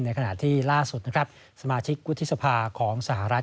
ในขณะที่ล่าสุดสมาชิกวุฒิสภาของสหรัฐ